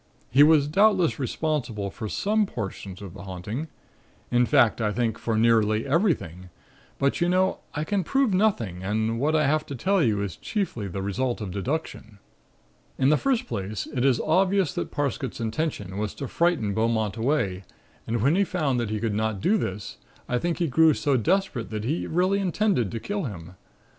He was doubtless responsible for some portions of the 'haunting'; in fact I think for nearly everything, but, you know, I can prove nothing and what I have to tell you is chiefly the result of deduction. "In the first place, it is obvious that Parsket's intention was to frighten Beaumont away and when he found that he could not do this, I think he grew so desperate that he really intended to kill him.